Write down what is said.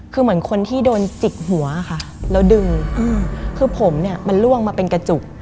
คือเหมือนคนที่โดนจิกหัวค่ะแล้วดึงคือผมเนี่ยมันล่วงมาเป็นกระจุก